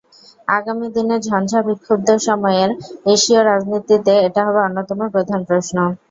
আগামী দিনের ঝঞ্ঝাবিক্ষুব্ধ সময়ের এশীয় রাজনীতিতে এটা হবে অন্যতম প্রধান প্রশ্ন।